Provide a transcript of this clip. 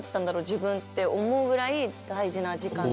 自分って思うぐらいだいじな時間でした。